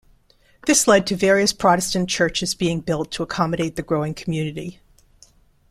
This led to various Protestant churches being built to accommodate the growing community.